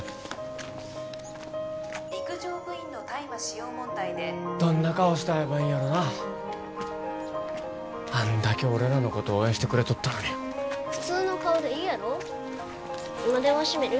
陸上部員の大麻使用問題でどんな顔して会えばいいんやろうなあんだけ俺らのこと応援してくれとったのに普通の顔でいいやろ今電話してみる？